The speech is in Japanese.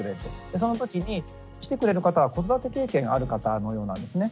そのときに来てくれる方は子育て経験ある方のようなんですね。